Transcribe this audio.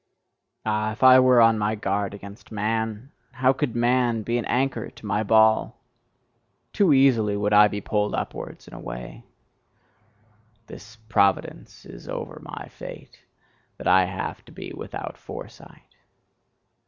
Ah, if I were on my guard against man, how could man be an anchor to my ball! Too easily would I be pulled upwards and away! This providence is over my fate, that I have to be without foresight.